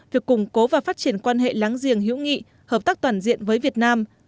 việc củng cố và phát triển quan hệ láng giềng hữu nghị hợp tác toàn diện với việt nam